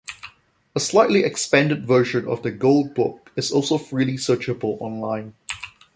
A slightly expanded version of the "Gold Book" is also freely searchable online.